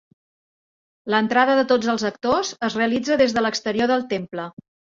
L'entrada de tots els actors es realitza des de l'exterior del temple.